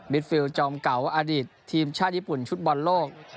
ฟิลจอมเก่าอดีตทีมชาติญี่ปุ่นชุดบอลโลก